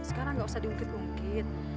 sekarang nggak usah diungkit ungkit